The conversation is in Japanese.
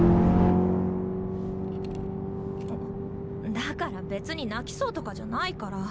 だから別に泣きそうとかじゃないから。